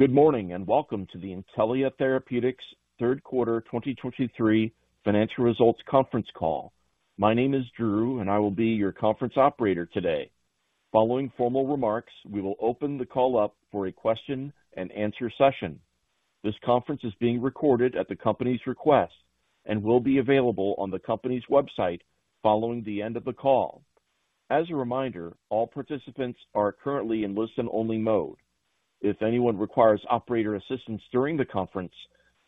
Good morning, and welcome to the Intellia Therapeutics third quarter 2023 financial results conference call. My name is Drew, and I will be your conference operator today. Following formal remarks, we will open the call up for a question-and-answer session. This conference is being recorded at the company's request and will be available on the company's website following the end of the call. As a reminder, all participants are currently in listen-only mode. If anyone requires operator assistance during the conference,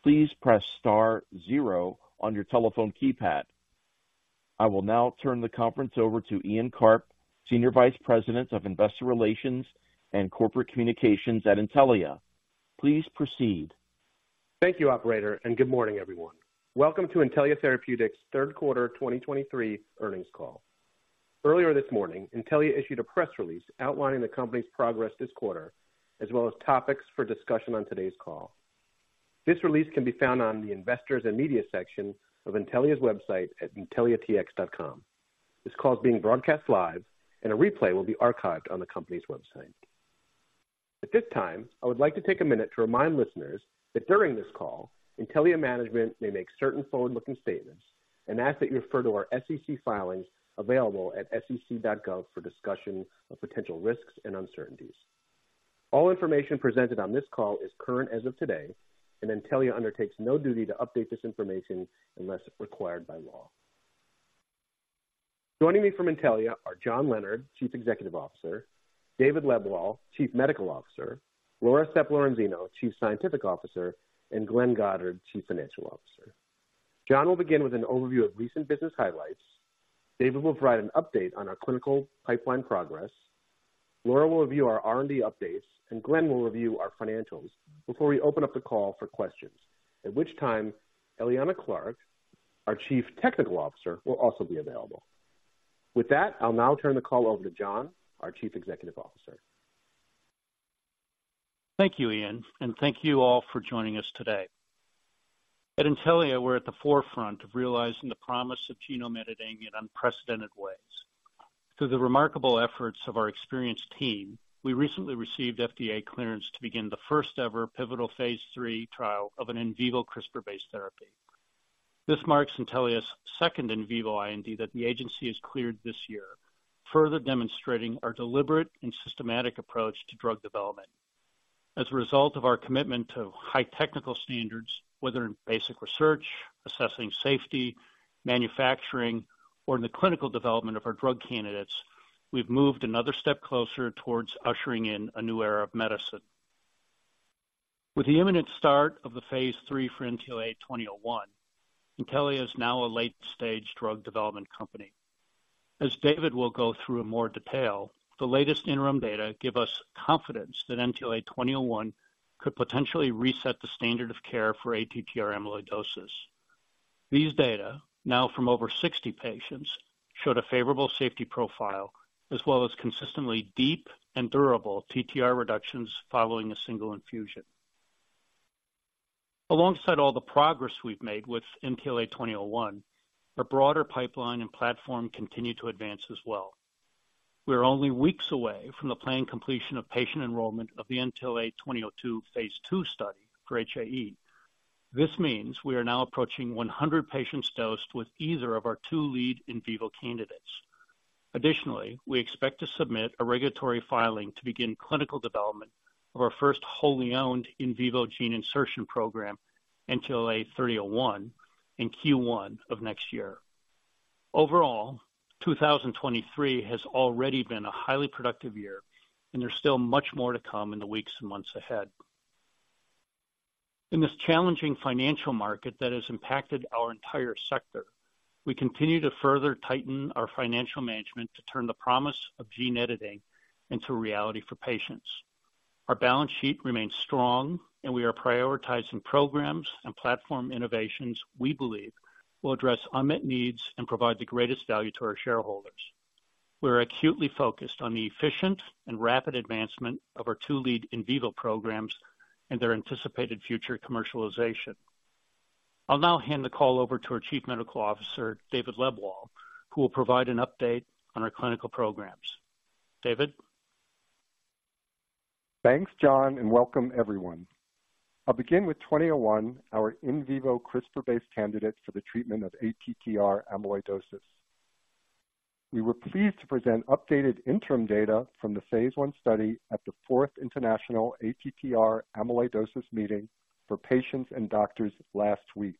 please press star zero on your telephone keypad. I will now turn the conference over to Ian Karp, Senior Vice President of Investor Relations and Corporate Communications at Intellia. Please proceed. Thank you, operator, and good morning, everyone. Welcome to Intellia Therapeutics' third quarter 2023 earnings call. Earlier this morning, Intellia issued a press release outlining the company's progress this quarter, as well as topics for discussion on today's call. This release can be found on the Investors and Media section of Intellia's website at intelliatx.com. This call is being broadcast live and a replay will be archived on the company's website. At this time, I would like to take a minute to remind listeners that during this call, Intellia management may make certain forward-looking statements and ask that you refer to our SEC filings available at sec.gov for discussion of potential risks and uncertainties. All information presented on this call is current as of today, and Intellia undertakes no duty to update this information unless required by law. Joining me from Intellia are John Leonard, Chief Executive Officer, David Lebwohl, Chief Medical Officer, Laura Sepp-Lorenzino, Chief Scientific Officer, and Glenn Goddard, Chief Financial Officer. John will begin with an overview of recent business highlights. David will provide an update on our clinical pipeline progress. Laura will review our R&D updates, and Glenn will review our financials before we open up the call for questions, at which time Eliana Clark, our Chief Technical Officer, will also be available. With that, I'll now turn the call over to John, our Chief Executive Officer. Thank you, Ian, and thank you all for joining us today. At Intellia, we're at the forefront of realizing the promise of genome editing in unprecedented ways. Through the remarkable efforts of our experienced team, we recently received FDA clearance to begin the first-ever pivotal Phase III trial of an in vivo CRISPR-based therapy. This marks Intellia's second in vivo IND that the agency has cleared this year, further demonstrating our deliberate and systematic approach to drug development. As a result of our commitment to high technical standards, whether in basic research, assessing safety, manufacturing, or in the clinical development of our drug candidates, we've moved another step closer toward ushering in a new era of medicine. With the imminent start of the Phase III for NTLA-2001, Intellia is now a late-stage drug development company. As David will go through in more detail, the latest interim data give us confidence that NTLA-2001 could potentially reset the standard of care for ATTR amyloidosis. These data, now from over 60 patients, showed a favorable safety profile as well as consistently deep and durable TTR reductions following a single infusion. Alongside all the progress we've made with NTLA-2001, our broader pipeline and platform continue to advance as well. We are only weeks away from the planned completion of patient enrollment of the NTLA-2002 Phase II study for HAE. This means we are now approaching 100 patients dosed with either of our two lead in vivo candidates. Additionally, we expect to submit a regulatory filing to begin clinical development of our first wholly owned in vivo gene insertion program, NTLA-3001, in Q1 of next year. Overall, 2023 has already been a highly productive year, and there's still much more to come in the weeks and months ahead. In this challenging financial market that has impacted our entire sector, we continue to further tighten our financial management to turn the promise of gene editing into a reality for patients. Our balance sheet remains strong, and we are prioritizing programs and platform innovations we believe will address unmet needs and provide the greatest value to our shareholders. We are acutely focused on the efficient and rapid advancement of our two lead in vivo programs and their anticipated future commercialization. I'll now hand the call over to our Chief Medical Officer, David Lebwohl, who will provide an update on our clinical programs. David? Thanks, John, and welcome, everyone. I'll begin with NTLA-2001, our in vivo CRISPR-based candidate for the treatment of ATTR amyloidosis. We were pleased to present updated interim data from the Phase I study at the fourth International ATTR Amyloidosis Meeting for patients and doctors last week.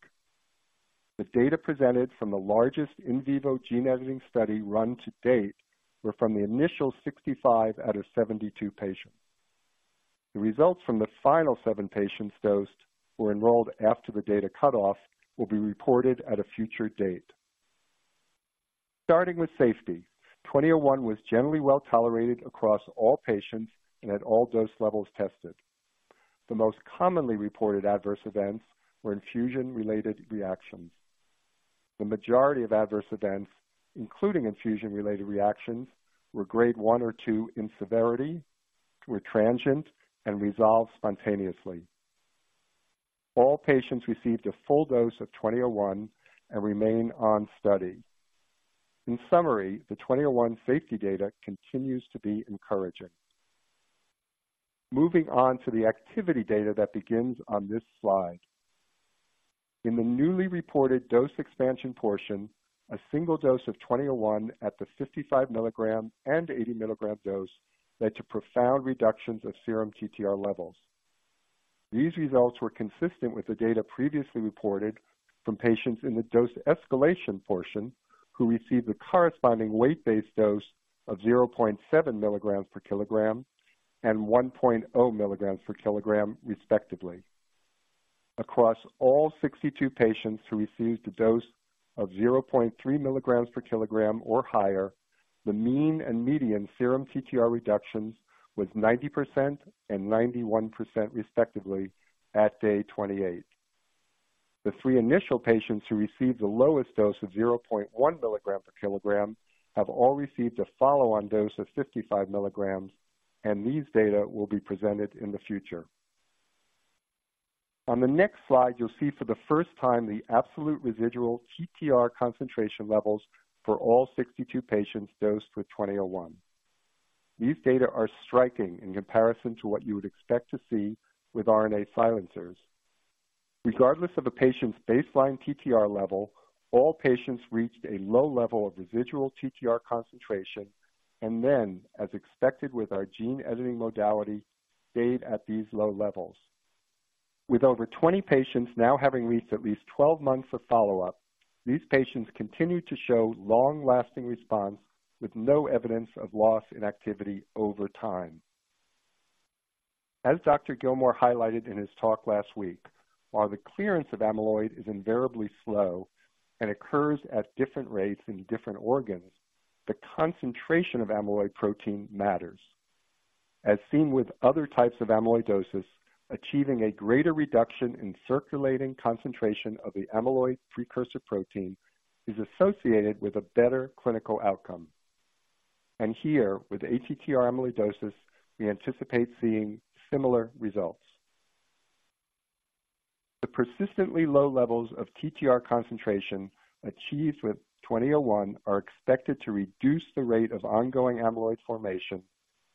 The data presented from the largest in vivo gene editing study run to date were from the initial 65 out of 72 patients. The results from the final 7 patients dosed, who were enrolled after the data cutoff, will be reported at a future date. Starting with safety, NTLA-2001 was generally well-tolerated across all patients and at all dose levels tested. The most commonly reported adverse events were infusion-related reactions. The majority of adverse events, including infusion-related reactions, were Grade 1 or 2 in severity, were transient, and resolved spontaneously.... All patients received a full dose of 2001 and remain on study. In summary, the 2001 safety data continues to be encouraging. Moving on to the activity data that begins on this slide. In the newly reported dose expansion portion, a single dose of 2001 at the 55 milligram and 80 milligram dose led to profound reductions of serum TTR levels. These results were consistent with the data previously reported from patients in the dose escalation portion, who received the corresponding weight-based dose of 0.7 milligrams per kilogram and 1.0 milligrams per kilogram, respectively. Across all 62 patients who received a dose of 0.3 milligrams per kilogram or higher, the mean and median serum TTR reductions was 90% and 91%, respectively, at day 28. The three initial patients who received the lowest dose of 0.1 mg/kg have all received a follow-on dose of 55 mg, and these data will be presented in the future. On the next slide, you'll see for the first time the absolute residual TTR concentration levels for all 62 patients dosed with NTLA-2001. These data are striking in comparison to what you would expect to see with RNA silencers. Regardless of a patient's baseline TTR level, all patients reached a low level of residual TTR concentration and then, as expected with our gene editing modality, stayed at these low levels. With over 20 patients now having reached at least 12 months of follow-up, these patients continued to show long-lasting response with no evidence of loss in activity over time. As Dr. Gilmore highlighted in his talk last week, while the clearance of amyloid is invariably slow and occurs at different rates in different organs, the concentration of amyloid protein matters. As seen with other types of amyloidosis, achieving a greater reduction in circulating concentration of the amyloid precursor protein is associated with a better clinical outcome. Here, with ATTR amyloidosis, we anticipate seeing similar results. The persistently low levels of TTR concentration achieved with 2001 are expected to reduce the rate of ongoing amyloid formation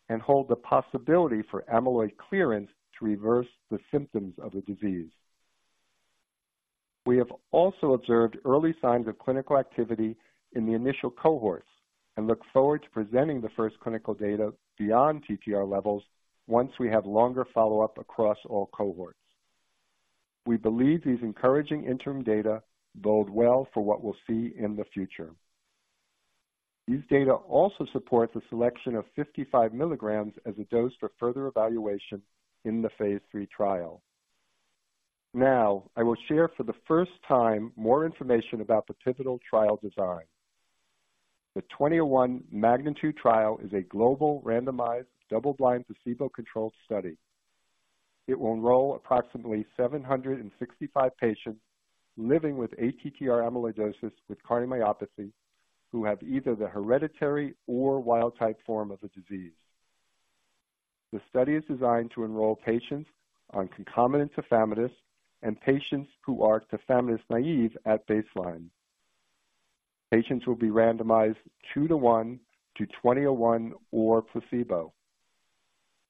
and hold the possibility for amyloid clearance to reverse the symptoms of the disease. We have also observed early signs of clinical activity in the initial cohorts and look forward to presenting the first clinical data beyond TTR levels once we have longer follow-up across all cohorts. We believe these encouraging interim data bode well for what we'll see in the future. These data also support the selection of 55 milligrams as a dose for further evaluation in the Phase III trial. Now, I will share for the first time, more information about the pivotal trial design. The NTLA-2001 MAGNITUDE trial is a global, randomized, double-blind, placebo-controlled study. It will enroll approximately 765 patients living with ATTR amyloidosis, with cardiomyopathy, who have either the hereditary or wild-type form of the disease. The study is designed to enroll patients on concomitant tafamidis and patients who are tafamidis naive at baseline. Patients will be randomized 2 to 1 to NTLA-2001 or placebo.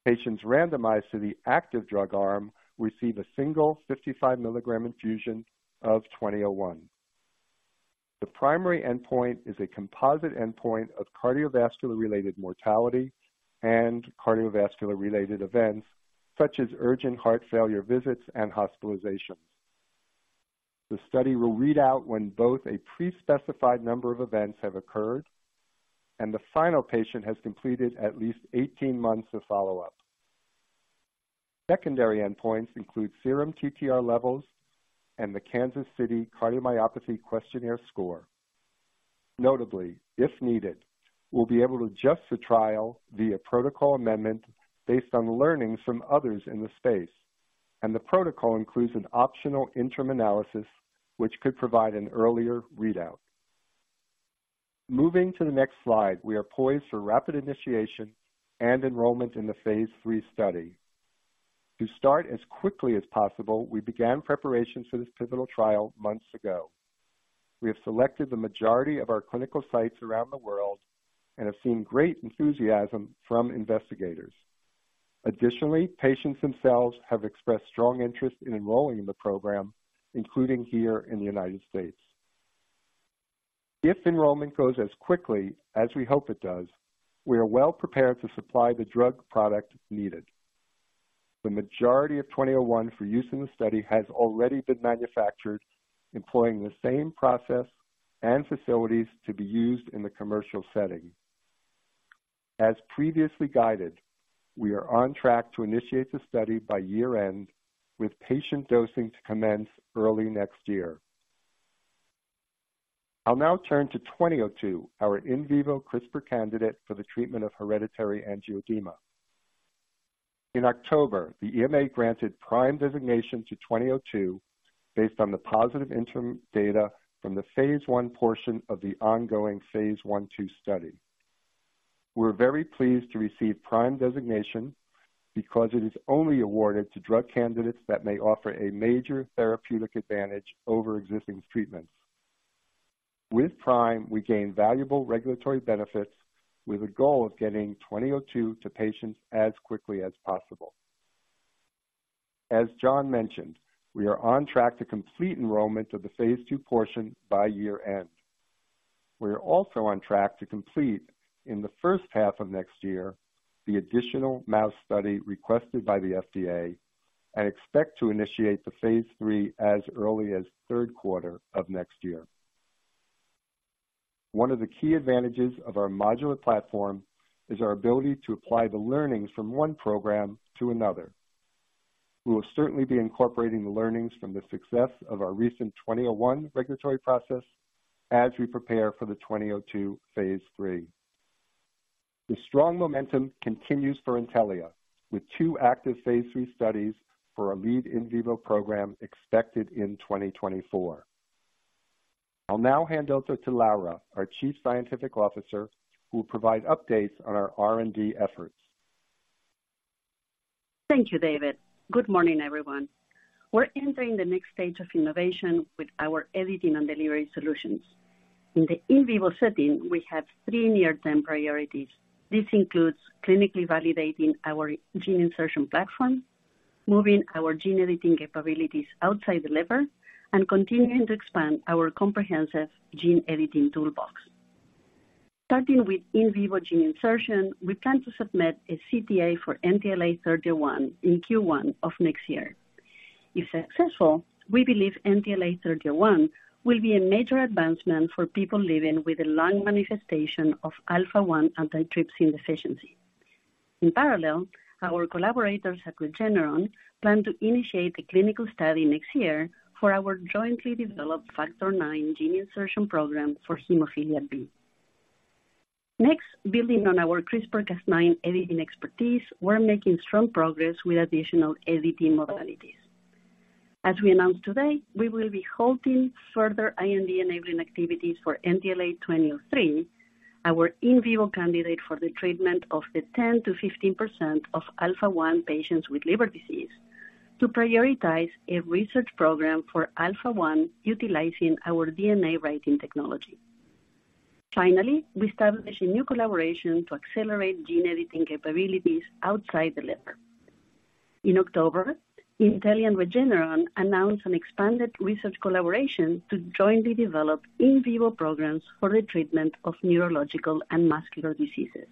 Patients randomized to the active drug arm receive a single 55 milligram infusion of NTLA-2001. The primary endpoint is a composite endpoint of cardiovascular-related mortality and cardiovascular-related events, such as urgent heart failure visits and hospitalizations. The study will read out when both a pre-specified number of events have occurred and the final patient has completed at least 18 months of follow-up. Secondary endpoints include serum TTR levels and the Kansas City Cardiomyopathy Questionnaire score. Notably, if needed, we'll be able to adjust the trial via protocol amendment based on learnings from others in the space, and the protocol includes an optional interim analysis, which could provide an earlier readout. Moving to the next slide, we are poised for rapid initiation and enrollment in the Phase III study. To start as quickly as possible, we began preparations for this pivotal trial months ago. We have selected the majority of our clinical sites around the world and have seen great enthusiasm from investigators. Additionally, patients themselves have expressed strong interest in enrolling in the program, including here in the United States. If enrollment goes as quickly as we hope it does, we are well prepared to supply the drug product needed. The majority of NTLA-2001 for use in the study has already been manufactured, employing the same process and facilities to be used in the commercial setting. As previously guided, we are on track to initiate the study by year-end, with patient dosing to commence early next year. I'll now turn to NTLA-2002, our in vivo CRISPR candidate for the treatment of hereditary angioedema. In October, the EMA granted PRIME designation to NTLA-2002 based on the positive interim data from the Phase I portion of the ongoing Phase I-II study. We're very pleased to receive PRIME designation because it is only awarded to drug candidates that may offer a major therapeutic advantage over existing treatments. With PRIME, we gain valuable regulatory benefits with a goal of getting NTLA-2002 to patients as quickly as possible. As John mentioned, we are on track to complete enrollment of the Phase II portion by year-end. We are also on track to complete, in the first half of next year, the additional mouse study requested by the FDA, and expect to initiate the Phase III as early as third quarter of next year. One of the key advantages of our modular platform is our ability to apply the learnings from one program to another. We will certainly be incorporating the learnings from the success of our recent NTLA-2001 regulatory process as we prepare for the NTLA-2002 Phase III. The strong momentum continues for Intellia, with two active Phase III studies for our lead in vivo program expected in 2024. I'll now hand over to Laura, our Chief Scientific Officer, who will provide updates on our R&D efforts. Thank you, David. Good morning, everyone. We're entering the next stage of innovation with our editing and delivery solutions. In the in vivo setting, we have three near-term priorities. This includes clinically validating our gene insertion platform, moving our gene editing capabilities outside the liver, and continuing to expand our comprehensive gene editing toolbox. Starting with in vivo gene insertion, we plan to submit a CTA for NTLA-3001 in Q1 of next year. If successful, we believe NTLA-3001 will be a major advancement for people living with a lung manifestation of Alpha-1 antitrypsin deficiency. In parallel, our collaborators at Regeneron plan to initiate a clinical study next year for our jointly developed Factor IX gene insertion program for hemophilia B. Next, building on our CRISPR/Cas9 editing expertise, we're making strong progress with additional editing modalities. As we announced today, we will be halting further IND-enabling activities for NTLA-2003, our in vivo candidate for the treatment of the 10%-15% of Alpha-1 patients with liver disease, to prioritize a research program for Alpha-1, utilizing our DNA writing technology. Finally, we established a new collaboration to accelerate gene editing capabilities outside the liver. In October, Intellia and Regeneron announced an expanded research collaboration to jointly develop in vivo programs for the treatment of neurological and muscular diseases.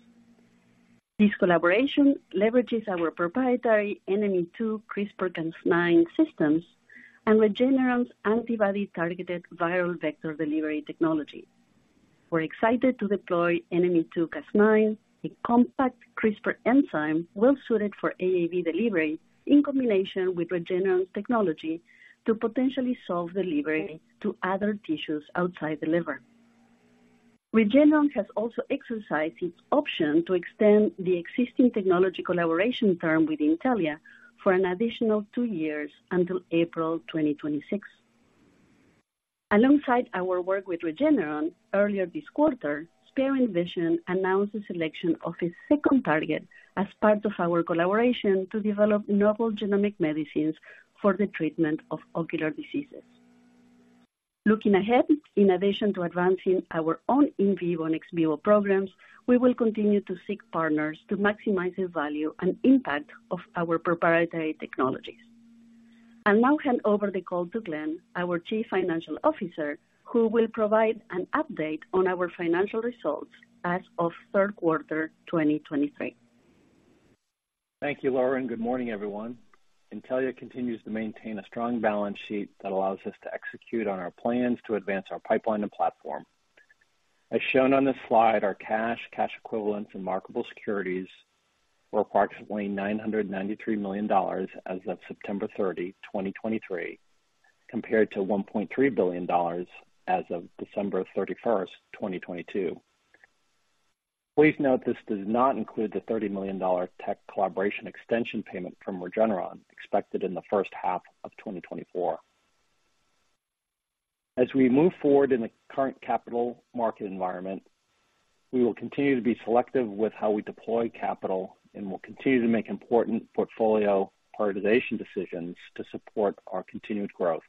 This collaboration leverages our proprietary Nme2 CRISPR-Cas9 systems and Regeneron's antibody-targeted viral vector delivery technology. We're excited to deploy Nme2 Cas9, a compact CRISPR enzyme well suited for AAV delivery, in combination with Regeneron's technology to potentially solve delivery to other tissues outside the liver. Regeneron has also exercised its option to extend the existing technology collaboration term with Intellia for an additional 2 years until April 2026. Alongside our work with Regeneron, earlier this quarter, SparingVision announced the selection of a second target as part of our collaboration to develop novel genomic medicines for the treatment of ocular diseases. Looking ahead, in addition to advancing our own in vivo and ex vivo programs, we will continue to seek partners to maximize the value and impact of our proprietary technologies. I'll now hand over the call to Glenn, our Chief Financial Officer, who will provide an update on our financial results as of third quarter 2023. Thank you, Laura, and good morning, everyone. Intellia continues to maintain a strong balance sheet that allows us to execute on our plans to advance our pipeline and platform. As shown on this slide, our cash, cash equivalents, and marketable securities were approximately $993 million as of September 30, 2023, compared to $1.3 billion as of December 31, 2022. Please note this does not include the $30 million tech collaboration extension payment from Regeneron, expected in the first half of 2024. As we move forward in the current capital market environment, we will continue to be selective with how we deploy capital, and we'll continue to make important portfolio prioritization decisions to support our continued growth.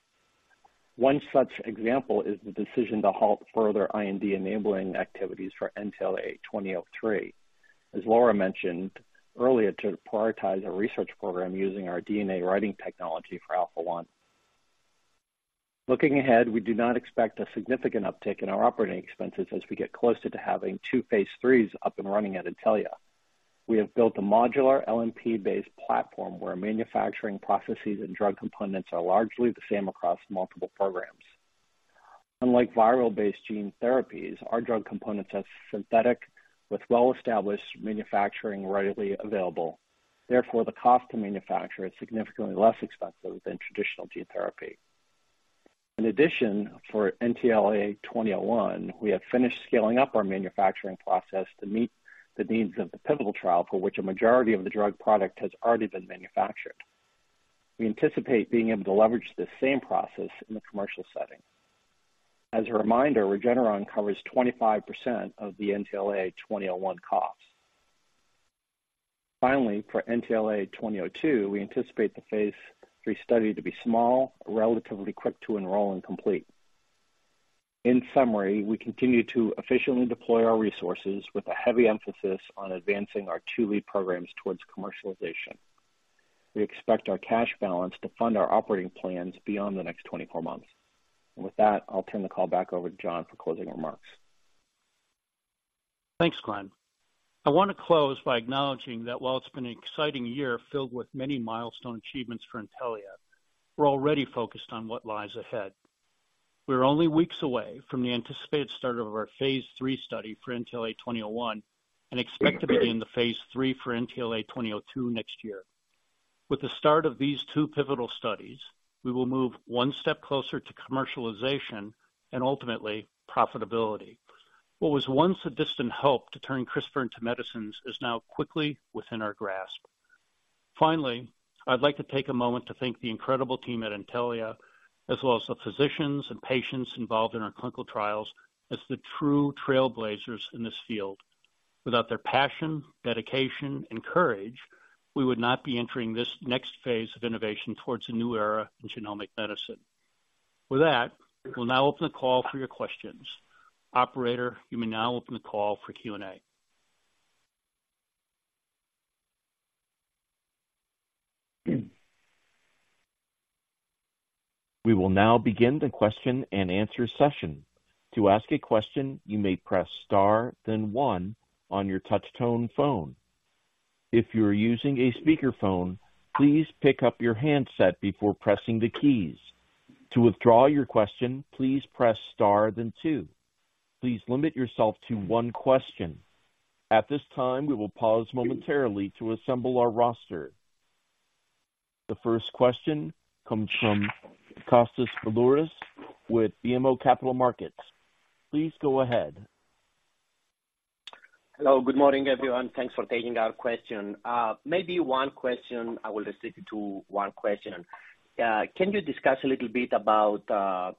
One such example is the decision to halt further IND-enabling activities for NTLA-2003, as Laura mentioned earlier, to prioritize a research program using our DNA writing technology for Alpha-1. Looking ahead, we do not expect a significant uptick in our operating expenses as we get closer to having two Phase IIIs up and running at Intellia. We have built a modular LNP-based platform, where manufacturing processes and drug components are largely the same across multiple programs. Unlike viral-based gene therapies, our drug components are synthetic, with well-established manufacturing readily available. Therefore, the cost to manufacture is significantly less expensive than traditional gene therapy. In addition, for NTLA-2001, we have finished scaling up our manufacturing process to meet the needs of the pivotal trial, for which a majority of the drug product has already been manufactured. We anticipate being able to leverage this same process in the commercial setting.... As a reminder, Regeneron covers 25% of the NTLA-2001 costs. Finally, for NTLA-2002, we anticipate the Phase III study to be small, relatively quick to enroll and complete. In summary, we continue to efficiently deploy our resources with a heavy emphasis on advancing our two lead programs towards commercialization. We expect our cash balance to fund our operating plans beyond the next 24 months. And with that, I'll turn the call back over to John for closing remarks. Thanks, Glenn. I want to close by acknowledging that while it's been an exciting year filled with many milestone achievements for Intellia, we're already focused on what lies ahead. We're only weeks away from the anticipated start of our Phase III study for NTLA-2001, and expect to be in the Phase III for NTLA-2002 next year. With the start of these two pivotal studies, we will move one step closer to commercialization and ultimately profitability. What was once a distant hope to turn CRISPR into medicines is now quickly within our grasp. Finally, I'd like to take a moment to thank the incredible team at Intellia, as well as the physicians and patients involved in our clinical trials, as the true trailblazers in this field. Without their passion, dedication, and courage, we would not be entering this next phase of innovation towards a new era in genomic medicine. With that, we'll now open the call for your questions. Operator, you may now open the call for Q&A. We will now begin the question-and-answer session. To ask a question, you may press star then one on your touch tone phone. If you're using a speakerphone, please pick up your handset before pressing the keys. To withdraw your question, please press star then two. Please limit yourself to one question. At this time, we will pause momentarily to assemble our roster. The first question comes from Kostas Biliouris with BMO Capital Markets. Please go ahead. Hello, good morning, everyone. Thanks for taking our question. Maybe one question. I will stick to one question. Can you discuss a little bit about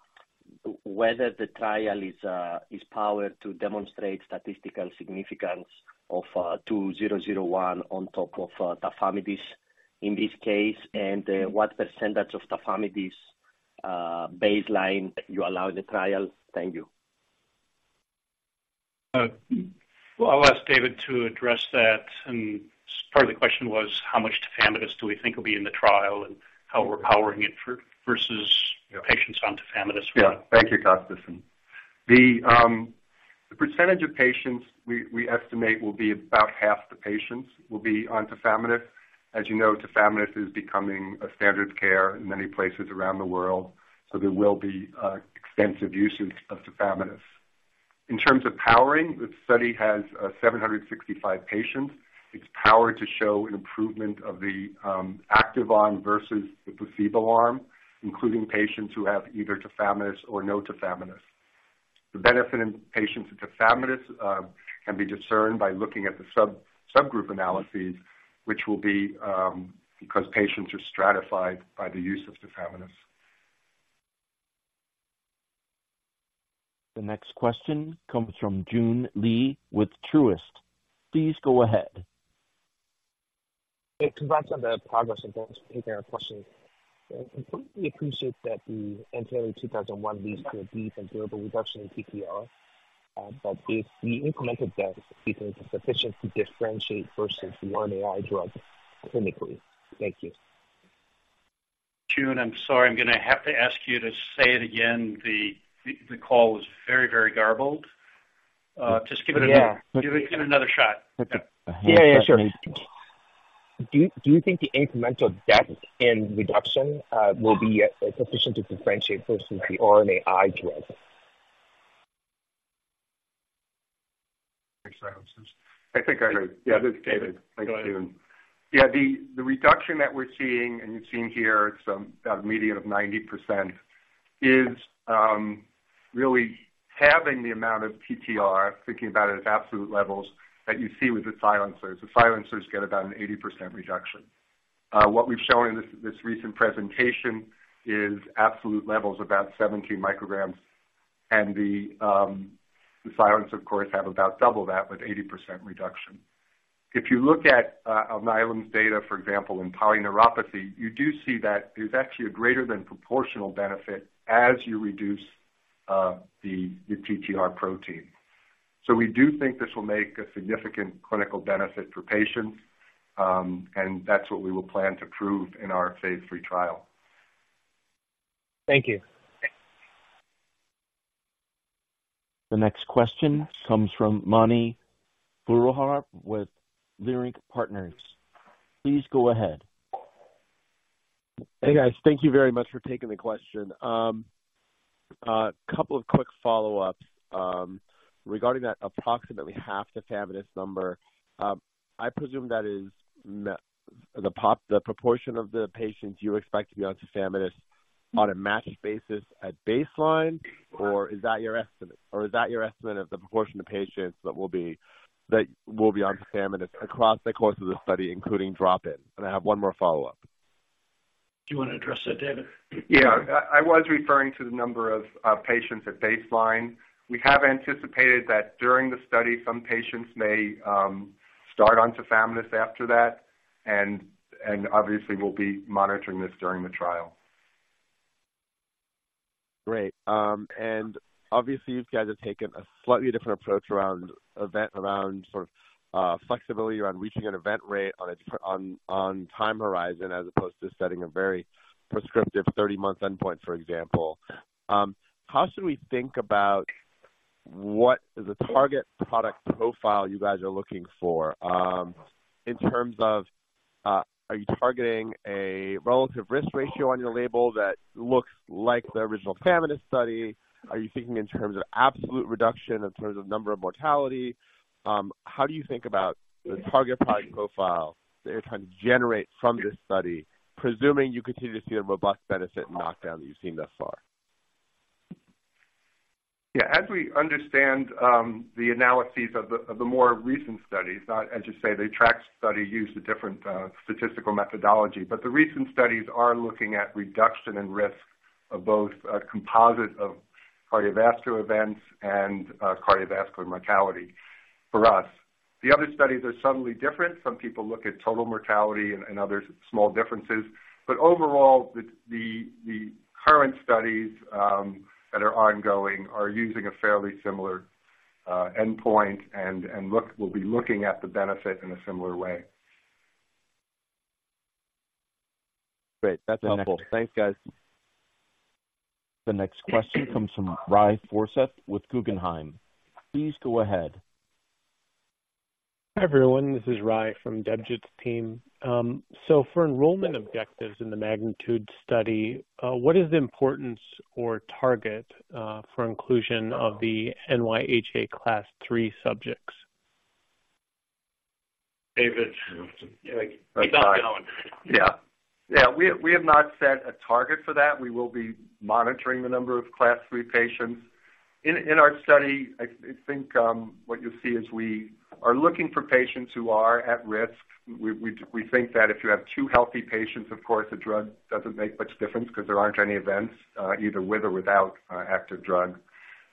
whether the trial is powered to demonstrate statistical significance of 2001 on top of tafamidis in this case, and what percentage of tafamidis baseline you allow in the trial? Thank you. Well, I'll ask David to address that. Part of the question was, how much tafamidis do we think will be in the trial and how we're powering it for, versus patients on tafamidis? Yeah. Thank you, Kostas. The percentage of patients we estimate will be about half the patients will be on tafamidis. As you know, tafamidis is becoming a standard of care in many places around the world, so there will be extensive uses of tafamidis. In terms of powering, the study has 765 patients. It's powered to show an improvement of the active arm versus the placebo arm, including patients who have either tafamidis or no tafamidis. The benefit in patients with tafamidis can be discerned by looking at the subgroup analyses, which will be because patients are stratified by the use of tafamidis. The next question comes from Joon Lee with Truist. Please go ahead. Hey, congrats on the progress, and thanks for taking our question. I completely appreciate that the NTLA-2001 leads to a deep and durable reduction in TTR, but if the incremental benefit is sufficient to differentiate versus the RNAi drug clinically? Thank you. Joon, I'm sorry, I'm going to have to ask you to say it again. The call was very, very garbled. Just give it- Yeah. Give it another shot. Yeah, yeah, sure. Do you, do you think the incremental depth in reduction will be sufficient to differentiate versus the RNAi drug? I think I do. Yeah. This is David. Go ahead. Thanks, Joon. Yeah. The reduction that we're seeing, and you've seen here, it's about a median of 90%, is really halving the amount of TTR, thinking about it at absolute levels, that you see with the silencers. The silencers get about an 80% reduction. What we've shown in this recent presentation is absolute levels, about 17 micrograms, and the silencers, of course, have about double that, with 80% reduction. If you look at Alnylam's data, for example, in polyneuropathy, you do see that there's actually a greater than proportional benefit as you reduce the TTR protein. So we do think this will make a significant clinical benefit for patients, and that's what we will plan to prove in our Phase III trial. Thank you. The next question comes from Mani Foroohar with Leerink Partners. Please go ahead. Hey, guys. Thank you very much for taking the question. A couple of quick follow-ups. Regarding that approximately half tafamidis number, I presume that is the proportion of the patients you expect to be on tafamidis on a matched basis at baseline, or is that your estimate of the proportion of patients that will be on tafamidis across the course of the study, including drop-in? And I have one more follow-up.... Do you want to address that, David? Yeah, I was referring to the number of patients at baseline. We have anticipated that during the study, some patients may start on tafamidis after that, and obviously we'll be monitoring this during the trial. Great. And obviously, you guys have taken a slightly different approach around event, around sort of, flexibility around reaching an event rate on a different, on, on time horizon, as opposed to setting a very prescriptive 30-month endpoint, for example. How should we think about what the target product profile you guys are looking for, in terms of, are you targeting a relative risk ratio on your label that looks like the original tafamidis study? Are you thinking in terms of absolute reduction in terms of number of mortality? How do you think about the target product profile that you're trying to generate from this study, presuming you continue to see a robust benefit and knockdown that you've seen thus far? Yeah. As we understand, the analyses of the more recent studies, not, as you say, the ATTR-ACT study used a different statistical methodology. But the recent studies are looking at reduction in risk of both a composite of cardiovascular events and cardiovascular mortality for us. The other studies are subtly different. Some people look at total mortality and other small differences. But overall, the current studies that are ongoing are using a fairly similar endpoint and We'll be looking at the benefit in a similar way. Great. That's helpful. Thanks, guys. The next question comes from Ry Forseth with Guggenheim. Please go ahead. Hi, everyone. This is Ry from Debjit's team. So for enrollment objectives in the MAGNITUDE study, what is the importance or target for inclusion of the NYHA Class III subjects? David? You got that one. Yeah. Yeah. We have not set a target for that. We will be monitoring the number of Class III patients. In our study, I think what you'll see is we are looking for patients who are at risk. We think that if you have too healthy patients, of course, the drug doesn't make much difference because there aren't any events either with or without active drug.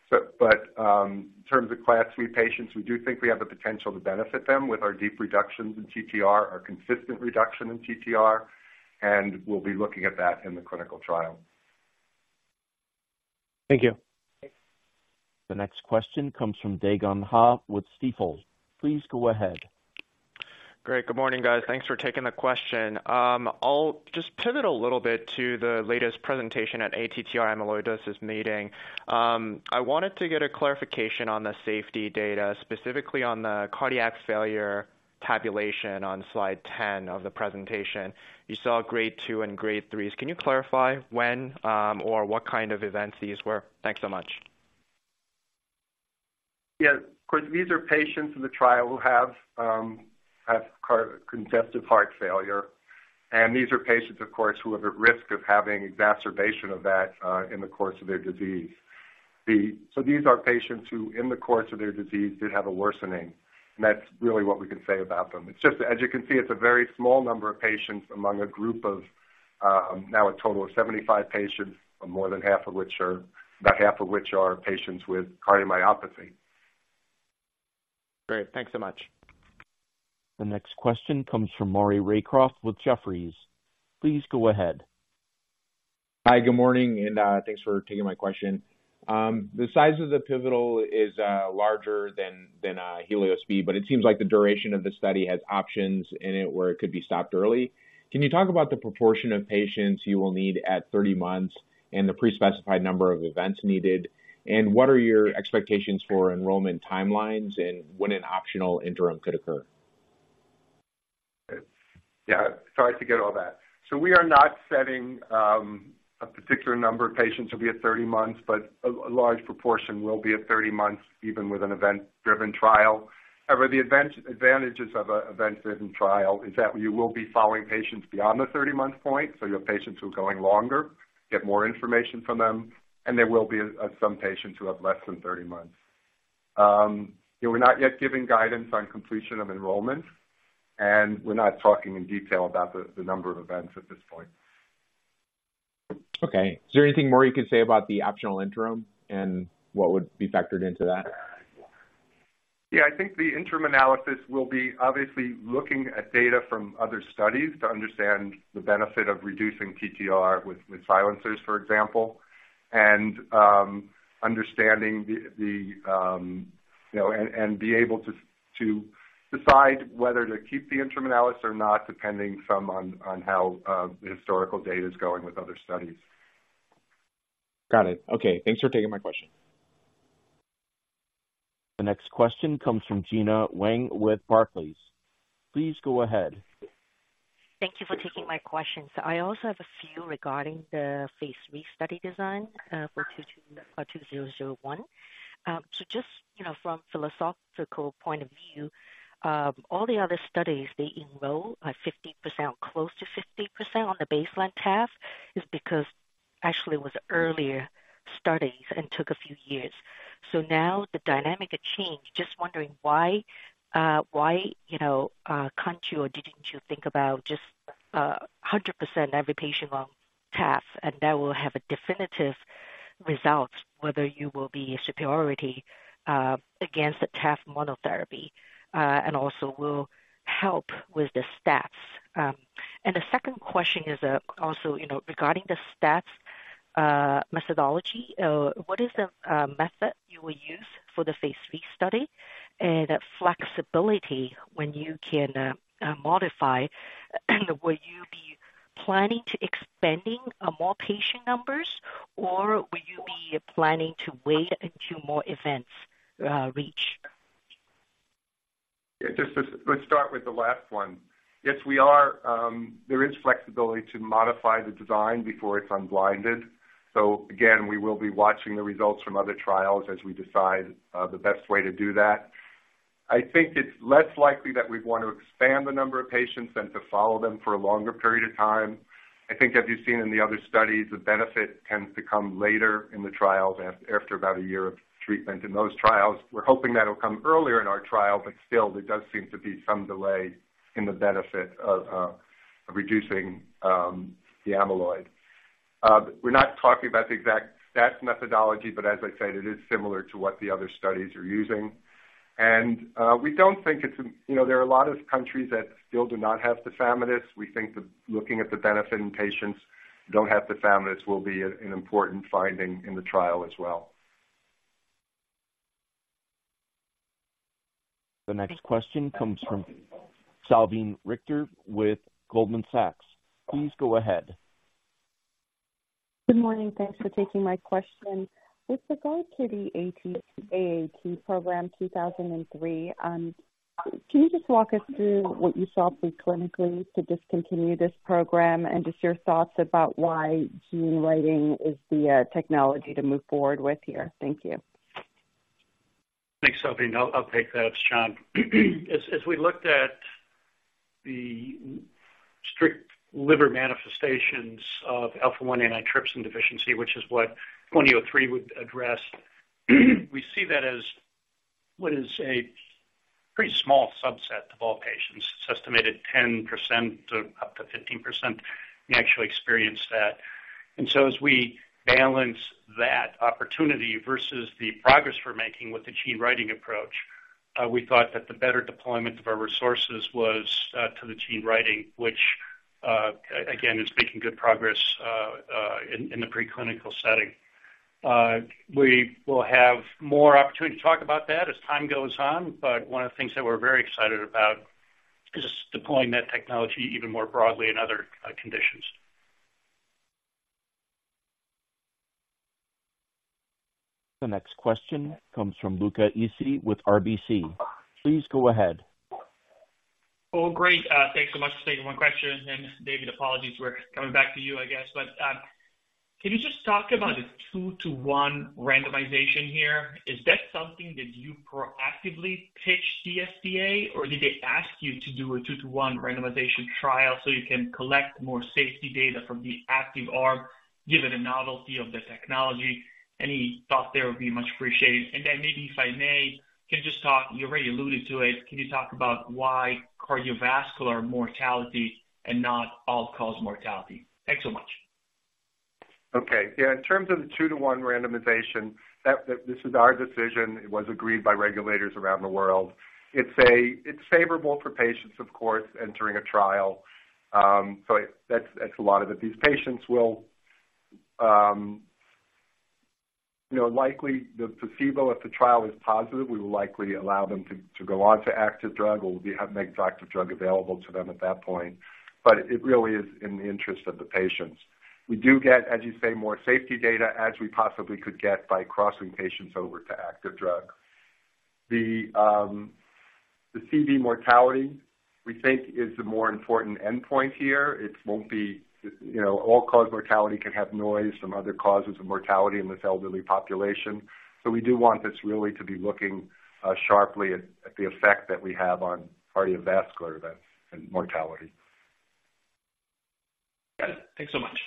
But in terms of Class III patients, we do think we have the potential to benefit them with our deep reductions in TTR, our consistent reduction in TTR, and we'll be looking at that in the clinical trial. Thank you. The next question comes from Dae Gon Ha with Stifel. Please go ahead. Great. Good morning, guys. Thanks for taking the question. I'll just pivot a little bit to the latest presentation at ATTR Amyloidosis Meeting. I wanted to get a clarification on the safety data, specifically on the cardiac failure tabulation on slide 10 of the presentation. You saw Grade 2 and Grade 3s. Can you clarify when, or what kind of events these were? Thanks so much. Yeah. Of course, these are patients in the trial who have congestive heart failure, and these are patients, of course, who are at risk of having exacerbation of that in the course of their disease. So these are patients who, in the course of their disease, did have a worsening, and that's really what we can say about them. It's just as you can see, it's a very small number of patients among a group of now a total of 75 patients, more than half of which are, about half of which are patients with cardiomyopathy. Great. Thanks so much. The next question comes from Maury Raycroft with Jefferies. Please go ahead. Hi, good morning, and thanks for taking my question. The size of the pivotal is larger than HELIOS-B, but it seems like the duration of the study has options in it, where it could be stopped early. Can you talk about the proportion of patients you will need at 30 months and the pre-specified number of events needed? And what are your expectations for enrollment timelines and when an optional interim could occur? Yeah, sorry, I can get all that. So we are not setting a particular number of patients will be at 30 months, but a large proportion will be at 30 months, even with an event-driven trial. However, the advantages of an event-driven trial is that you will be following patients beyond the 30-month point, so your patients who are going longer, get more information from them, and there will be some patients who have less than 30 months. Yeah, we're not yet giving guidance on completion of enrollment, and we're not talking in detail about the number of events at this point. Okay. Is there anything more you can say about the optional interim and what would be factored into that? Yeah, I think the interim analysis will be obviously looking at data from other studies to understand the benefit of reducing TTR with silencers, for example, and understanding the you know and be able to decide whether to keep the interim analysis or not, depending some on how the historical data is going with other studies. Got it. Okay. Thanks for taking my question. The next question comes from Gena Wang with Barclays. Please go ahead. Thank you for taking my question. So I also have a few regarding the Phase III study design for NTLA-2001. So just, you know, from philosophical point of view, all the other studies, they enroll 50%, close to 50% on the baseline Taf is because-... actually was earlier studies and took a few years. So now the dynamic has changed. Just wondering why, why, you know, can't you, or didn't you think about just, 100% every patient on Taf, and that will have a definitive results, whether you will be superiority, against the Taf monotherapy, and also will help with the stats? And the second question is, also, you know, regarding the stats, methodology. What is the, method you will use for the Phase III study and flexibility when you can, modify? Will you be planning to expanding, more patient numbers, or will you be planning to wait until more events, reach? Yeah, just let's start with the last one. Yes, we are, there is flexibility to modify the design before it's unblinded. So again, we will be watching the results from other trials as we decide the best way to do that. I think it's less likely that we'd want to expand the number of patients than to follow them for a longer period of time. I think as you've seen in the other studies, the benefit tends to come later in the trials, after about a year of treatment in those trials. We're hoping that'll come earlier in our trial, but still, there does seem to be some delay in the benefit of reducing the amyloid. We're not talking about the exact stats methodology, but as I said, it is similar to what the other studies are using. We don't think it's, you know, there are a lot of countries that still do not have tafamidis. We think that looking at the benefit in patients who don't have tafamidis will be an important finding in the trial as well. The next question comes from Salveen Richter with Goldman Sachs. Please go ahead. Good morning. Thanks for taking my question. With regard to the NTLA-2003 program, can you just walk us through what you saw pre-clinically to discontinue this program? And just your thoughts about why gene writing is the technology to move forward with here. Thank you. Thanks, Salveen. I'll take that. It's John. As we looked at the strict liver manifestations of Alpha-1 antitrypsin deficiency, which is what NTLA-2003 would address, we see that as what is a pretty small subset of all patients. It's estimated 10% to up to 15% may actually experience that. And so as we balance that opportunity versus the progress we're making with the gene writing approach, we thought that the better deployment of our resources was to the gene writing, which, again, is making good progress in the preclinical setting. We will have more opportunity to talk about that as time goes on, but one of the things that we're very excited about is deploying that technology even more broadly in other conditions. The next question comes from Luca Issi with RBC. Please go ahead. Oh, great. Thanks so much for taking my question. And David, apologies, we're coming back to you, I guess. But, can you just talk about the 2-to-1 randomization here? Is that something that you proactively pitched the FDA, or did they ask you to do a 2-to-1 randomization trial so you can collect more safety data from the active arm, given the novelty of the technology? Any thought there would be much appreciated. And then maybe, if I may, can you just talk... You already alluded to it. Can you talk about why cardiovascular mortality and not all-cause mortality? Thanks so much. Okay. Yeah, in terms of the 2-to-1 randomization, that, this is our decision. It was agreed by regulators around the world. It's – it's favorable for patients, of course, entering a trial. So that's, that's a lot of it. These patients will, you know, likely the placebo, if the trial is positive, we will likely allow them to, to go on to active drug, or we'll be, make active drug available to them at that point. But it really is in the interest of the patients. We do get, as you say, more safety data as we possibly could get by crossing patients over to active drug. The CV mortality, we think, is the more important endpoint here. It won't be, you know, all-cause mortality can have noise from other causes of mortality in this elderly population. So we do want this really to be looking sharply at the effect that we have on cardiovascular events and mortality. Got it. Thanks so much.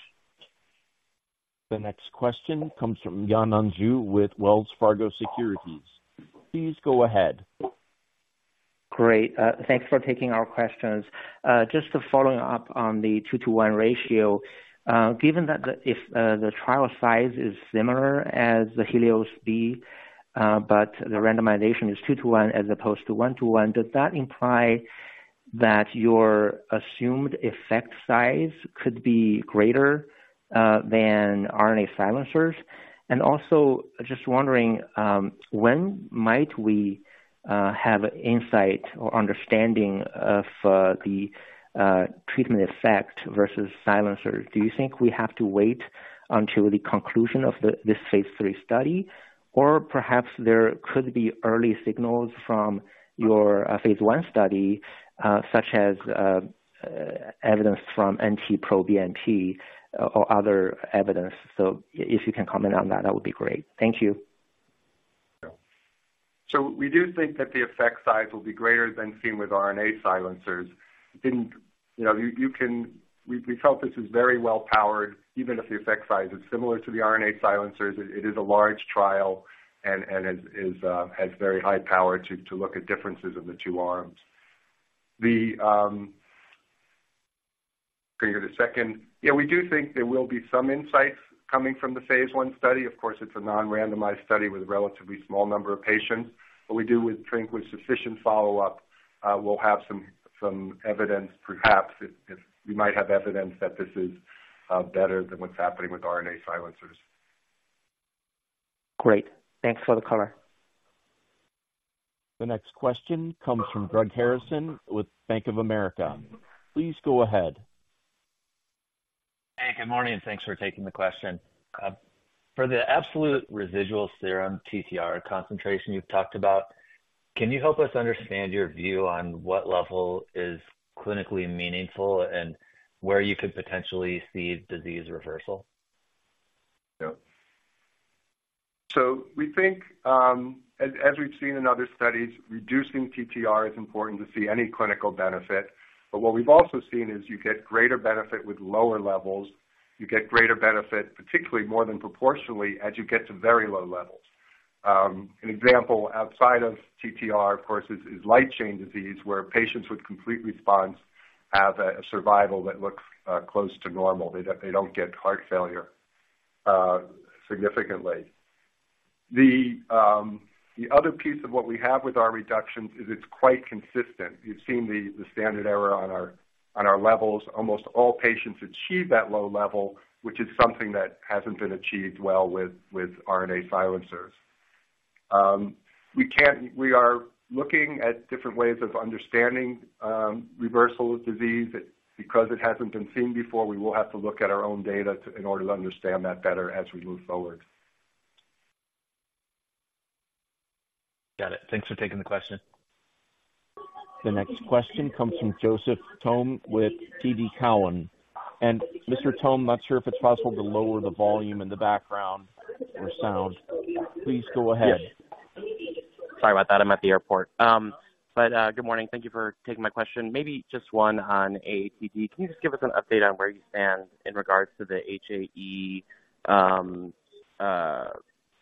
The next question comes from Yanan Zhu with Wells Fargo Securities. Please go ahead. Great, thanks for taking our questions. Just to follow up on the 2-to-1 ratio, given that if the trial size is similar as the HELIOS-B, but the randomization is 2-to-1 as opposed to 1-to-1, does that imply that your assumed effect size could be greater than RNA silencers? And also just wondering, when might we have insight or understanding of the treatment effect versus silencers? Do you think we have to wait until the conclusion of this Phase III study, or perhaps there could be early signals from your Phase I study, such as evidence from NT-proBNP or other evidence? So if you can comment on that, that would be great. Thank you. ... So we do think that the effect size will be greater than seen with RNA silencers. We, we felt this is very well powered, even if the effect size is similar to the RNA silencers. It, it is a large trial and, and is, is, has very high power to, to look at differences in the two arms. Yeah, we do think there will be some insights coming from the Phase I study. Of course, it's a non-randomized study with a relatively small number of patients, but we do think with sufficient follow-up, we'll have some, some evidence, perhaps, if, if we might have evidence that this is better than what's happening with RNA silencers. Great. Thanks for the color. The next question comes from Greg Harrison with Bank of America. Please go ahead. Hey, good morning, and thanks for taking the question. For the absolute residual serum TTR concentration you've talked about, can you help us understand your view on what level is clinically meaningful and where you could potentially see disease reversal? Yeah. So we think, as, as we've seen in other studies, reducing TTR is important to see any clinical benefit. But what we've also seen is you get greater benefit with lower levels. You get greater benefit, particularly more than proportionally, as you get to very low levels. An example outside of TTR, of course, is, is light chain disease, where patients with complete response have a, a survival that looks, close to normal. They don't get heart failure, significantly. The, the other piece of what we have with our reductions is it's quite consistent. You've seen the, the standard error on our, on our levels. Almost all patients achieve that low level, which is something that hasn't been achieved well with, with RNA silencers. We can't... We are looking at different ways of understanding, reversal of disease. Because it hasn't been seen before, we will have to look at our own data in order to understand that better as we move forward. Got it. Thanks for taking the question. The next question comes from Joseph Thome with TD Cowen. Mr. Thome, I'm not sure if it's possible to lower the volume in the background or sound. Please go ahead. Yes. Sorry about that, I'm at the airport. But good morning. Thank you for taking my question. Maybe just one on AATD. Can you just give us an update on where you stand in regards to the HAE,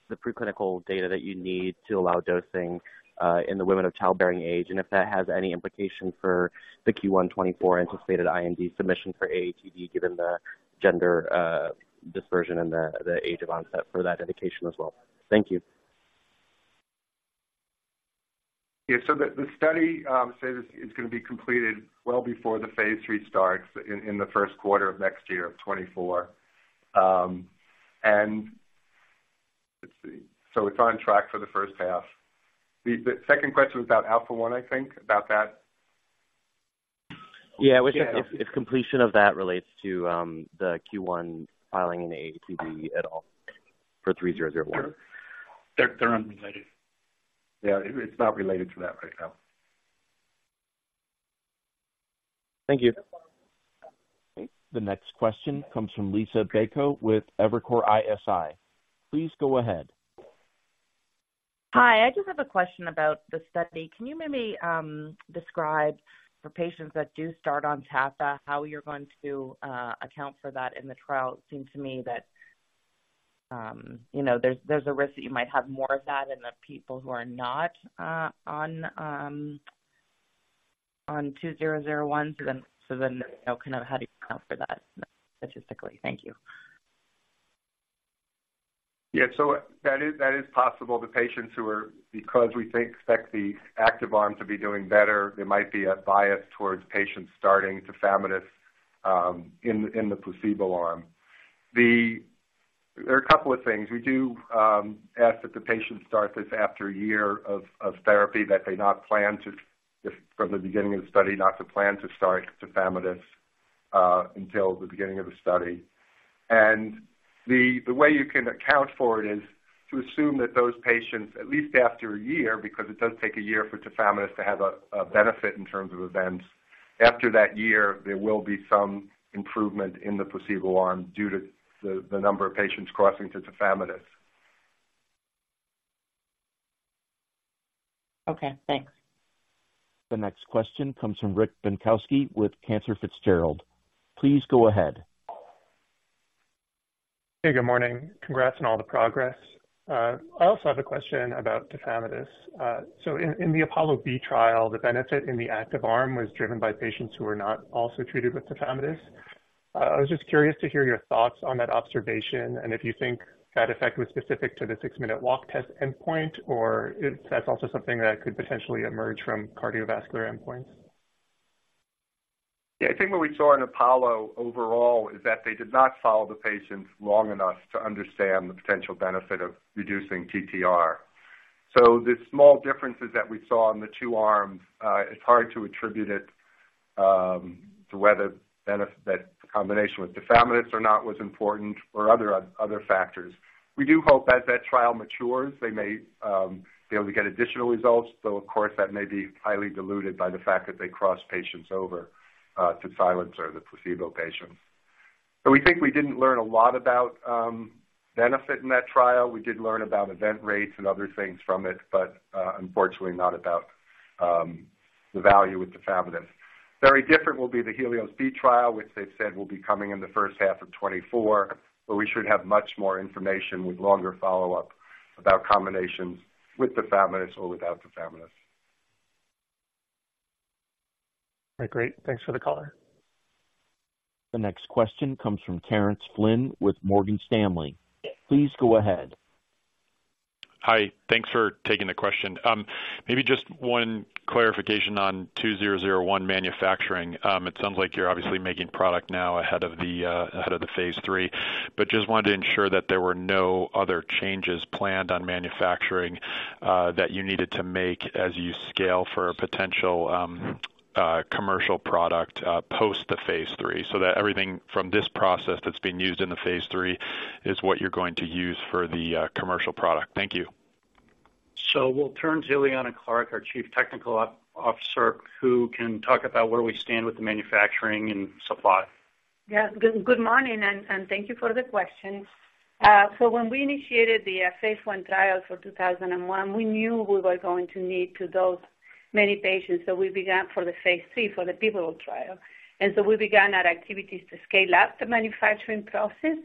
the preclinical data that you need to allow dosing in the women of childbearing age, and if that has any implication for the Q1 2024 anticipated IND submission for AATD, given the gender dispersion and the age of onset for that indication as well? Thank you. Yeah, so the study is gonna be completed well before the Phase III starts in the first quarter of next year, of 2024. And let's see, so it's on track for the first half. The second question was about Alpha-1, I think, about that? Yeah. I was thinking if, if completion of that relates to the Q1 filing in AATD at all for 3001. They're unrelated. Yeah, it's not related to that right now. Thank you. The next question comes from Liisa Bayko with Evercore ISI. Please go ahead. Hi. I just have a question about the study. Can you maybe describe for patients that do start on tafamidis, how you're going to account for that in the trial? It seems to me that, you know, there's a risk that you might have more of that in the people who are not on NTLA-2001. So then, you know, kind of how do you account for that statistically? Thank you. Yeah. So that is, that is possible. The patients who are, because we think expect the active arm to be doing better, there might be a bias towards patients starting tafamidis in the placebo arm. There are a couple of things. We do ask that the patient start this after a year of therapy, that they not plan to, if from the beginning of the study, not to plan to start tafamidis until the beginning of the study. And the way you can account for it is to assume that those patients, at least after a year, because it does take a year for tafamidis to have a benefit in terms of events. After that year, there will be some improvement in the placebo arm due to the number of patients crossing to tafamidis. Okay, thanks. The next question comes from Rick Bienkowski with Cantor Fitzgerald. Please go ahead. Hey, good morning. Congrats on all the progress. I also have a question about tafamidis. So in the APOLLO-B trial, the benefit in the active arm was driven by patients who were not also treated with tafamidis. I was just curious to hear your thoughts on that observation, and if you think that effect was specific to the six-minute walk test endpoint, or if that's also something that could potentially emerge from cardiovascular endpoints? Yeah, I think what we saw in APOLLO overall is that they did not follow the patients long enough to understand the potential benefit of reducing TTR. So the small differences that we saw in the two arms, it's hard to attribute it to whether that the combination with tafamidis or not was important or other factors. We do hope as that trial matures, they may be able to get additional results, though of course, that may be highly diluted by the fact that they crossed patients over to silencer or the placebo patients. So we think we didn't learn a lot about benefit in that trial. We did learn about event rates and other things from it, but unfortunately, not about the value with tafamidis. Very different will be the HELIOS-B trial, which they've said will be coming in the first half of 2024, but we should have much more information with longer follow-up about combinations with tafamidis or without tafamidis. Great. Thanks for the call. The next question comes from Terrence Flynn with Morgan Stanley. Please go ahead. Hi. Thanks for taking the question. Maybe just one clarification on NTLA-2001 manufacturing. It sounds like you're obviously making product now ahead of the Phase III, but just wanted to ensure that there were no other changes planned on manufacturing that you needed to make as you scale for a potential commercial product post the Phase III, so that everything from this process that's being used in the Phase III is what you're going to use for the commercial product. Thank you. We'll turn to Eliana Clark, our Chief Technical Officer, who can talk about where we stand with the manufacturing and supply. Yeah. Good morning, and thank you for the question. So when we initiated the Phase I trial for 2001, we knew we were going to need to dose many patients. So we began for the Phase III for the pivotal trial. And so we began our activities to scale up the manufacturing process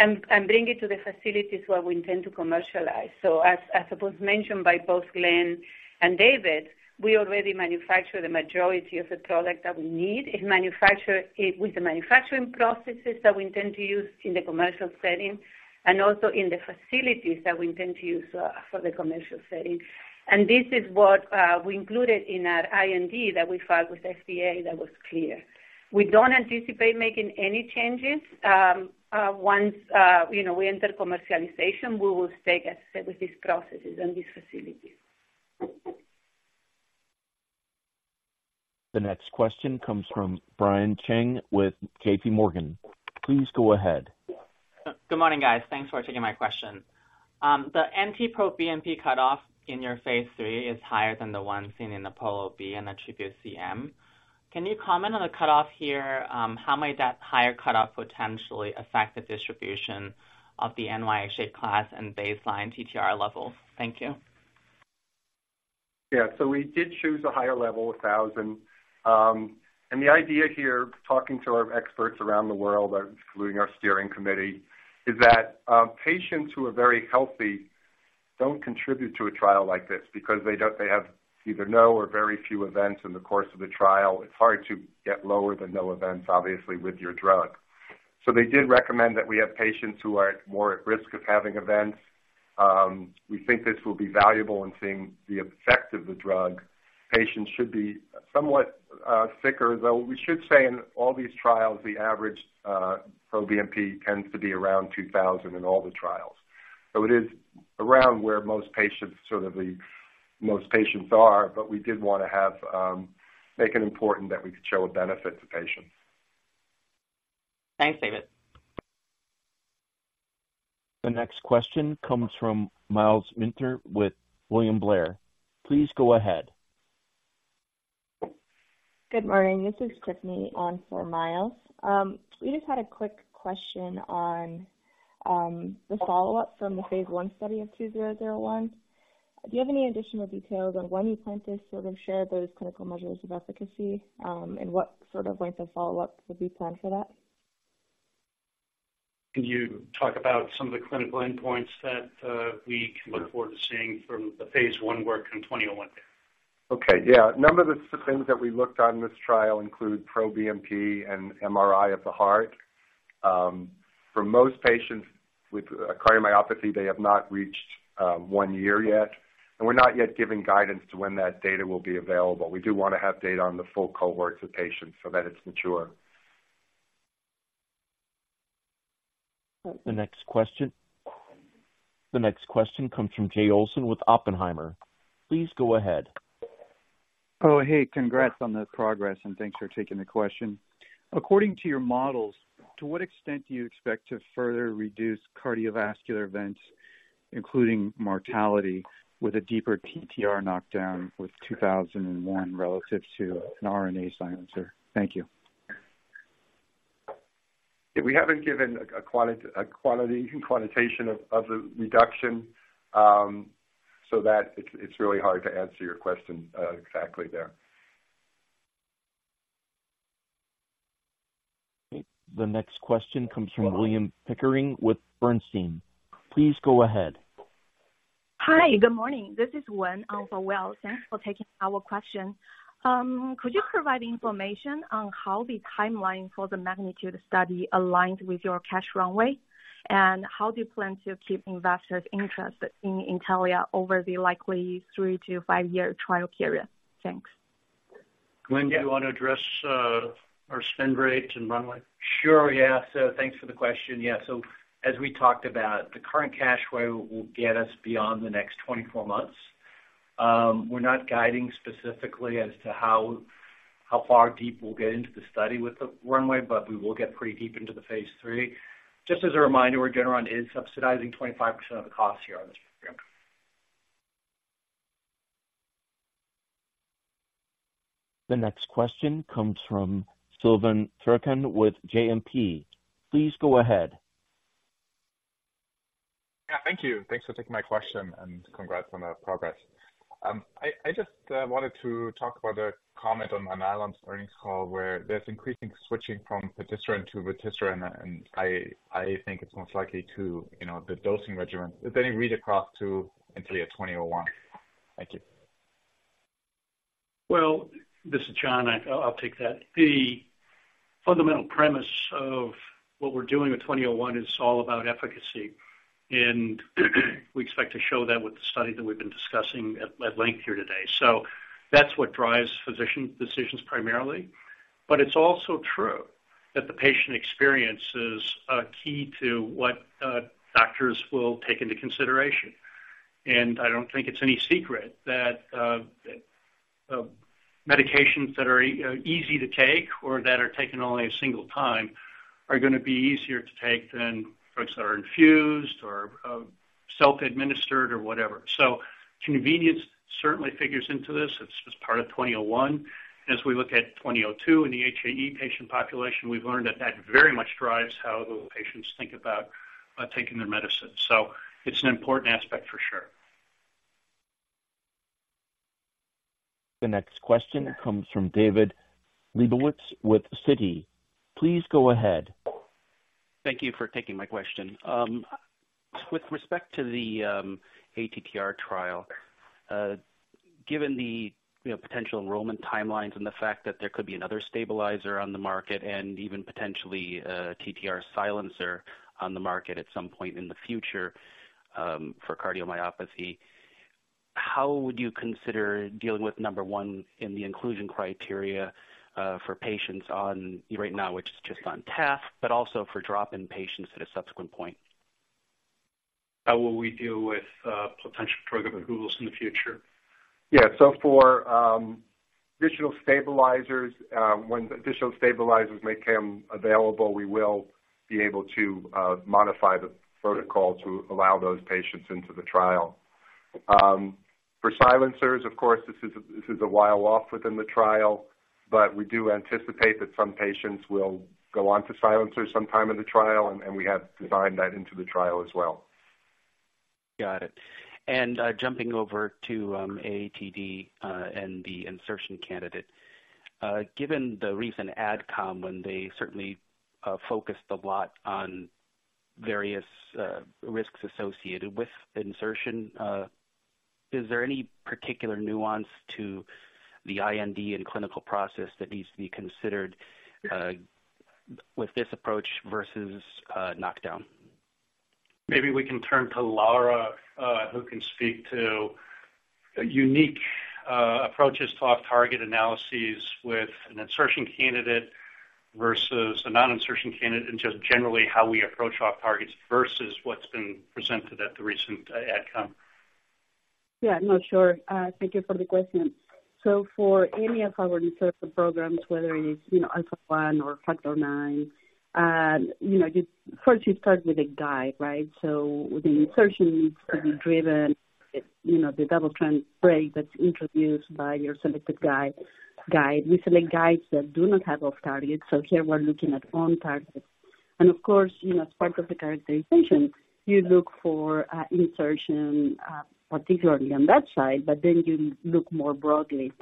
and bring it to the facilities where we intend to commercialize. So as was mentioned by both Glenn and David, we already manufacture the majority of the product that we need and manufacture it with the manufacturing processes that we intend to use in the commercial setting and also in the facilities that we intend to use for the commercial setting. And this is what we included in our IND that we filed with FDA that was clear. We don't anticipate making any changes. Once, you know, we enter commercialization, we will stay with these processes and these facilities. The next question comes from Brian Cheng with JP Morgan. Please go ahead. Good morning, guys. Thanks for taking my question. The NT-proBNP cutoff in your Phase III is higher than the one seen in APOLLO-B and ATTRibute-CM. Can you comment on the cutoff here? How might that higher cutoff potentially affect the distribution of the NYHA class and baseline TTR levels? Thank you. Yeah. So we did choose a higher level, 1,000. And the idea here, talking to our experts around the world, including our steering committee, is that patients who are very healthy don't contribute to a trial like this because they don't have either no or very few events in the course of the trial. It's hard to get lower than no events, obviously, with your drug. So they did recommend that we have patients who are more at risk of having events. We think this will be valuable in seeing the effect of the drug. Patients should be somewhat sicker, though we should say in all these trials, the average proBNP tends to be around 2,000 in all the trials. It is around where most patients, sort of, the most patients are, but we did want to have make it important that we could show a benefit to patients. Thanks, David. The next question comes from Miles Minter with William Blair. Please go ahead. Good morning. This is Tiffany on for Miles. We just had a quick question on the follow-up from the Phase I study of 2001. Do you have any additional details on when you plan to sort of share those clinical measures of efficacy, and what sort of length of follow-up would be planned for that? Can you talk about some of the clinical endpoints that we can look forward to seeing from the Phase I work in 2001? Okay. Yeah. A number of the things that we looked on in this trial include proBNP and MRI of the heart. For most patients with cardiomyopathy, they have not reached one year yet, and we're not yet giving guidance to when that data will be available. We do want to have data on the full cohorts of patients so that it's mature. The next question, the next question comes from Jay Olson with Oppenheimer. Please go ahead. Oh, hey, congrats on the progress, and thanks for taking the question. According to your models, to what extent do you expect to further reduce cardiovascular events, including mortality, with a deeper TTR knockdown with 2001 relative to an RNA silencer? Thank you. We haven't given a quantitation of the reduction, so that it's really hard to answer your question exactly there. The next question comes from William Pickering with Bernstein. Please go ahead. Hi, good morning. This is Wen on for WIlliam. Thanks for taking our question. Could you provide information on how the timeline for the MAGNITUDE study aligned with your cash runway? And how do you plan to keep investors interested in Intellia over the likely 3-5-year trial period? Thanks. Glenn, do you want to address our spend rate and runway? Sure, yeah. So thanks for the question. Yeah. So as we talked about, the current cash runway will get us beyond the next 24 months. We're not guiding specifically as to how far deep we'll get into the study with the runway, but we will get pretty deep into the Phase III. Just as a reminder, Regeneron is subsidizing 25% of the cost here on this program. The next question comes from Silvan Türkcan with JMP. Please go ahead. Yeah, thank you. Thanks for taking my question, and congrats on the progress. I just wanted to talk about a comment on Alnylam's earnings call, where there's increasing switching from patisiran to vutrisiran, and I think it's most likely due to, you know, the dosing regimen. Does any read-through to NTLA-2001? Thank you. Well, this is John. I'll take that. The fundamental premise of what we're doing with 2001 is all about efficacy, and we expect to show that with the study that we've been discussing at length here today. So that's what drives physician decisions primarily, but it's also true that the patient experience is key to what doctors will take into consideration. And I don't think it's any secret that medications that are easy to take or that are taken only a single time are gonna be easier to take than drugs that are infused or self-administered or whatever. So convenience certainly figures into this. It's just part of 2001. As we look at 2002 in the HAE patient population, we've learned that that very much drives how the patients think about taking their medicine. It's an important aspect for sure. The next question comes from David Lebowitz with Citi. Please go ahead. Thank you for taking my question. With respect to the ATTR trial, given the, you know, potential enrollment timelines and the fact that there could be another stabilizer on the market and even potentially a TTR silencer on the market at some point in the future, for cardiomyopathy, how would you consider dealing with number one in the inclusion criteria, for patients on, right now, which is just on Taf, but also for drop-in patients at a subsequent point? How will we deal with potential drug approvals in the future? Yeah. So for additional stabilizers, when additional stabilizers may become available, we will be able to modify the protocol to allow those patients into the trial. For silencers, of course, this is a while off within the trial, but we do anticipate that some patients will go on to silencers sometime in the trial, and we have designed that into the trial as well. Got it. And jumping over to AATD and the insertion candidate. Given the recent AdCom, when they certainly focused a lot on various risks associated with insertion, is there any particular nuance to the IND and clinical process that needs to be considered with this approach versus knockdown? Maybe we can turn to Laura, who can speak to unique approaches to off-target analyses with an insertion candidate versus a non-insertion candidate, and just generally how we approach off targets versus what's been presented at the recent AdCom. Yeah, no, sure. Thank you for the question. So for any of our insertion programs, whether it is, you know, Alpha-1 or Factor IX, you know, you first start with a guide, right? So the insertion needs to be driven, you know, the double-strand break that's introduced by your selected guide, guide. We select guides that do not have off-targets, so here we're looking at on-target. And of course, you know, as part of the characterization, you look for insertion, particularly on that side, but then you look more broadly.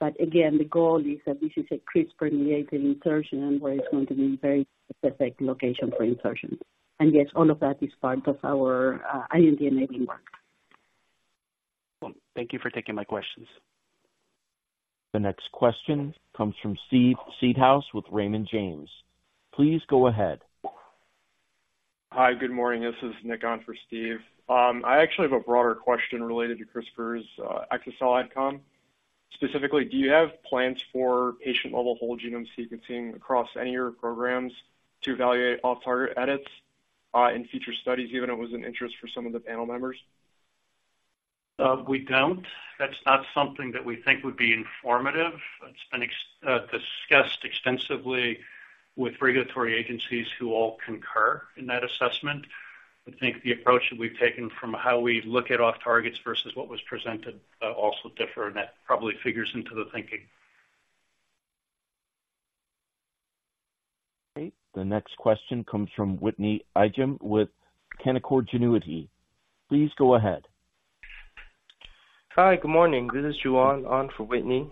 But again, the goal is that this is a CRISPR-mediated insertion, where it's going to be very specific location for insertion. And yes, all of that is part of our IND-enabling work. Thank you for taking my questions. The next question comes from Steve Seedhouse with Raymond James. Please go ahead. Hi, good morning. This is Nick on for Steve. I actually have a broader question related to CRISPR's exa-cel AdCom. Specifically, do you have plans for patient-level whole genome sequencing across any of your programs to evaluate off-target edits in future studies, given it was an interest for some of the panel members? We don't. That's not something that we think would be informative. It's been extensively discussed with regulatory agencies who all concur in that assessment. I think the approach that we've taken from how we look at off targets versus what was presented also differ, and that probably figures into the thinking. Great. The next question comes from Whitney Ijem with Canaccord Genuity. Please go ahead. Hi, good morning. This is Juan on for Whitney.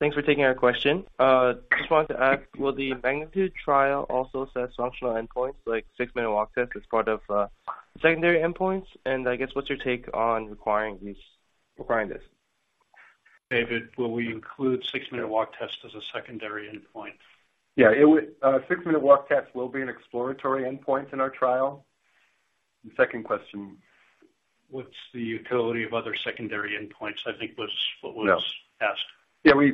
Thanks for taking our question. Just wanted to ask, will the MAGNITUDE trial also set functional endpoints, like six-minute walk test, as part of secondary endpoints? And I guess, what's your take on requiring these, requiring this? David, will we include 6-minute walk test as a secondary endpoint? Yeah, it would... six-minute walk test will be an exploratory endpoint in our trial. The second question? What's the utility of other secondary endpoints, I think? Yes. -asked. Yeah, we,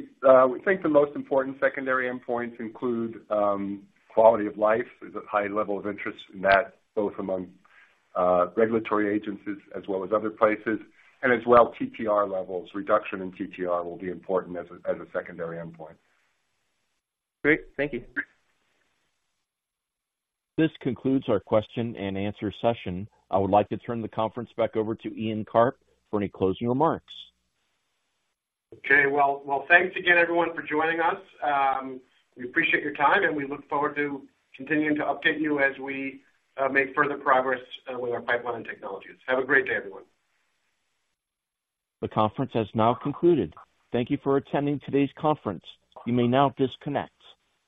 we think the most important secondary endpoints include, quality of life. There's a high level of interest in that, both among, regulatory agencies as well as other places, and as well, TTR levels. Reduction in TTR will be important as a, as a secondary endpoint. Great. Thank you. This concludes our question-and-answer session. I would like to turn the conference back over to Ian Karp for any closing remarks. Okay. Well, thanks again, everyone, for joining us. We appreciate your time, and we look forward to continuing to update you as we make further progress with our pipeline and technologies. Have a great day, everyone. The conference has now concluded. Thank you for attending today's conference. You may now disconnect.